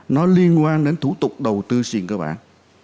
nó liên quan đến thủ tục đầu tư xuyên các bạn